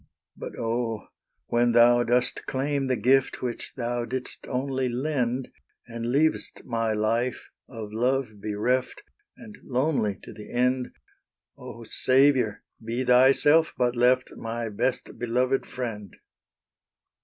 But Oh, when Thou dost claim the gift Which Thou did'st only lend, And leav'st my life of love bereft, And lonely to the end, Oh Saviour! be Thyself but left, My best beloved Friend!